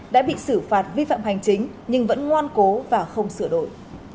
đã bị xử phạt vi phạm hành chính nhưng vẫn ngoan cố và không sửa đổi